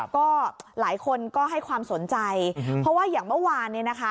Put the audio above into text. ก็หลายคนก็ให้ความสนใจเพราะว่าอย่างเมื่อวานเนี่ยนะคะ